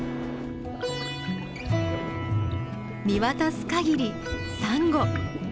見渡す限りサンゴ！